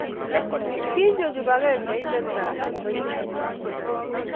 kiinyo kibagengeit nata ak kibaitinik kyi